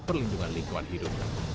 perlindungan lingkungan hidup